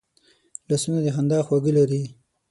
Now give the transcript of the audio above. لاسونه د خندا خواږه لري